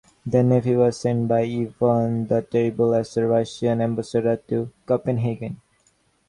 Their nephew was sent by Ivan the Terrible as a Russian ambassador to Copenhagen.